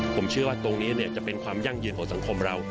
ผมเชื่อว่าตรงนี้จะเป็นความยั่งยืนของสังคมเรา